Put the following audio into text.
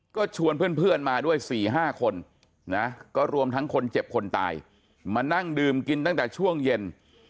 ก็ชวนเพื่อนมาด้วย๔๕คนนะก็รวมทั้งคนเจ็บคนตายมานั่งดื่มกินตั้งแต่ช่วงเย็น